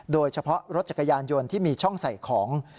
โดยเฉพาะรถจักรยานยนต์ที่มีช่องใส่ของ